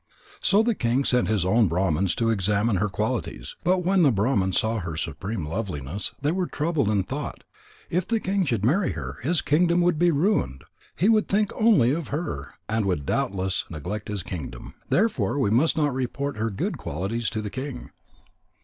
So the king sent his own Brahmans to examine her qualities. But when the Brahmans saw her supreme loveliness, they were troubled and thought: "If the king should marry her, his kingdom would be ruined. He would think only of her, and would doubtless neglect his kingdom. Therefore we must not report her good qualities to the king."